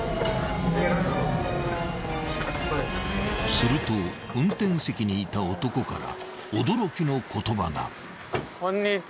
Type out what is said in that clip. ［すると運転席にいた男から驚きの言葉が］